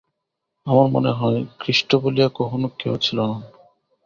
আমার মনে হয়, খ্রীষ্ট বলিয়া কখনও কেহ ছিল না।